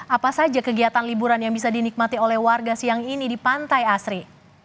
apa saja kegiatan liburan yang bisa dinikmati oleh warga siang ini di pantai asri